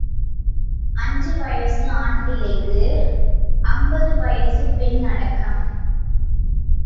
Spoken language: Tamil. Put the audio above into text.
அஞ்சு வயசு ஆண் பிள்ளைக்கு அம்பது வயசுப் பெண் அடக்கம்.